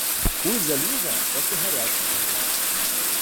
Куй залізо, поки гаряче!